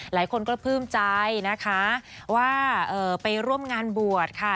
หลายคนก็ปลื้มใจนะคะว่าไปร่วมงานบวชค่ะ